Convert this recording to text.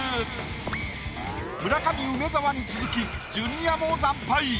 村上梅沢に続きジュニアも惨敗。